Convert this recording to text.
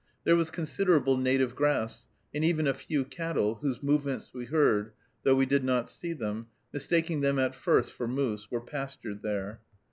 There was considerable native grass; and even a few cattle whose movements we heard, though we did not see them, mistaking them at first for moose were pastured there.